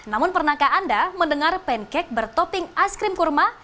namun pernahkah anda mendengar pancake bertopping ice cream kurma